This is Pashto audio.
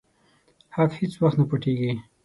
حق هيڅ وخت نه پټيږي.